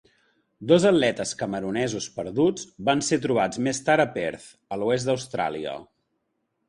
Dos dels atletes camerunesos perduts van ser trobats més tard a Perth, a l'oest Austràlia.